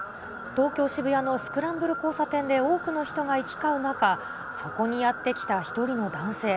東京・渋谷のスクランブル交差点で多くの人が行き交う中、そこにやって来た１人の男性。